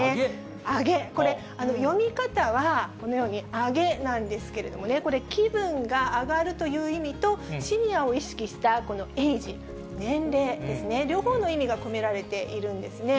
アゲ、これ、読み方はこのようにアゲなんですけれどもね、これ、気分が上がるという意味と、シニアを意識したこのエージ、年齢ですね、両方の意味が込められているんですね。